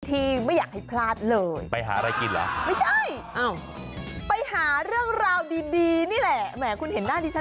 ทีไม่อยากให้พลาดเลย